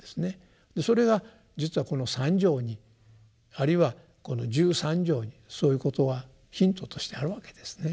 それが実はこの三条にあるいはこの十三条にそういうことはヒントとしてあるわけですね。